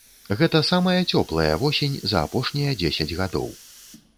Гэта самая цёплая восень за апошнія дзесяць гадоў.